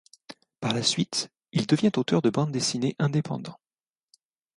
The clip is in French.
Par la suite, il devient auteur de bandes dessinées indépendant.